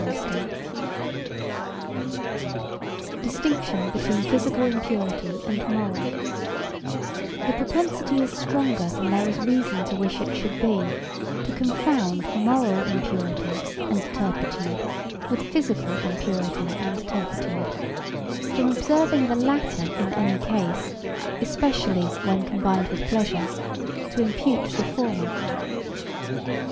] Distinction between physical impurity and moral The propensity is stronger than there is reason to wish it should be, to confound moral impurity and turpitude with physical impurity and turpitude; from observing the latter in any case, especially when combined with pleasure, to impute the [former].